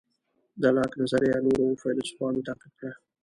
د لاک نظریه نورو فیلیسوفانو تعقیب کړه.